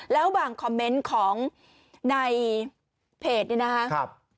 แล้วบางคอมเมนต์ของในเพจนี่นะครับ